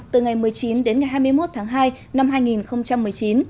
từ ngày một mươi chín đến ngày hai mươi một tháng hai năm hai nghìn một mươi chín